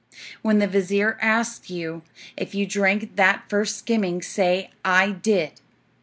When the vizir asks you if you drank that first skimming say, 'I did.'